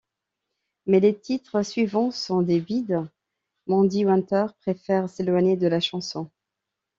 Mais les titres suivants sont des bides, Mandy Winter préfère s'éloigner de la chanson.